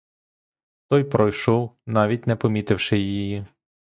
Той пройшов, навіть не помітивши її.